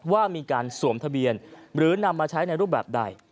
ว่ามีการสวมทะเบียนหรือนำมาใช้ในรูปแบบใด